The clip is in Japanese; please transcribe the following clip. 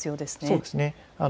そうですね。